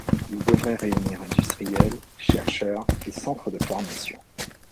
Il devrait réunir industriels, chercheurs et centres de formation.